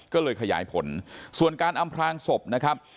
ก็เลยขยายผลส่วนการอำพลางศพนะครับ